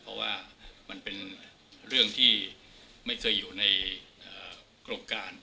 เพราะว่ามันเป็นเรื่องที่ไม่เคยอยู่ในโครงการ